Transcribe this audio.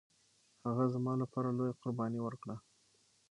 هغه زما لپاره لويه قرباني ورکړه